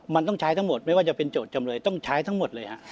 มันต้องใช้ทั้งหมดไม่ว่าจะเป็นโจทย์จำเลยต้องใช้ทั้งหมดเลยฮะ